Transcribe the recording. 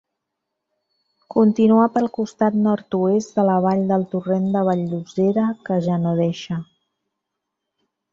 Continua pel costat nord-oest de la vall del torrent de Vall-llosera, que ja no deixa.